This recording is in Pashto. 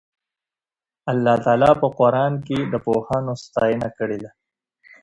الله تعالی په قرآن کې د پوهانو ستاینه کړې ده.